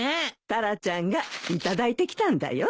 タラちゃんが頂いてきたんだよ。